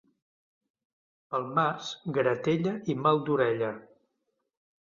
Pel març, gratella i mal d'orella.